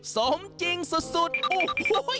สมจริงสุดโอ้โห